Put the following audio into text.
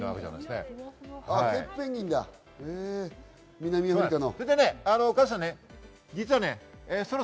南アフリカの。